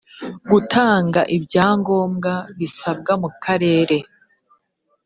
gutanga ibyangombwa bisabwa mu karere